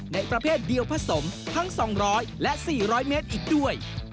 ในประเภทเดียวผสมทั้ง๒๐๐และ๔๐๐เมตรอีกด้วย